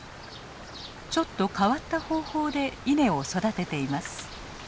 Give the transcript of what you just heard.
ちょっと変わった方法で稲を育てています。